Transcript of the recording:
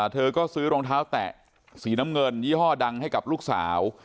เธอก็ซื้อรองเท้าแตะสีน้ำเงินยี่ห้อดังให้กับลูกสาว